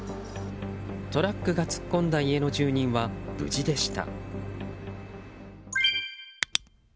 トラックが突っ込んだ家の住人は無事でした。